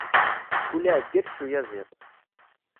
Kul aɛeggal s uyaziḍ.